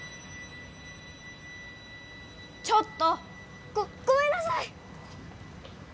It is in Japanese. ちょっと！ごごめんなさい！